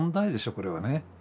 これはね。